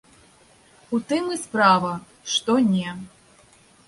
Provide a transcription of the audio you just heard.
У тым і справа, што не.